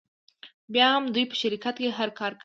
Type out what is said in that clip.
بیا هم دوی په شرکت کې هر کاره وي